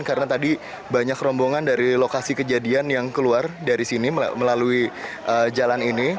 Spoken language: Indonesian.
karena tadi banyak rombongan dari lokasi kejadian yang keluar dari sini melalui jalan ini